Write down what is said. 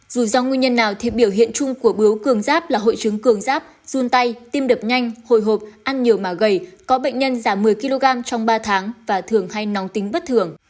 dù do nguyên nhân nào thì biểu hiện chung của bướu cường giáp là hội chứng cường giáp run tay tim đập nhanh hồi hộp ăn nhiều mà gầy có bệnh nhân giảm một mươi kg trong ba tháng và thường hay nóng tính bất thường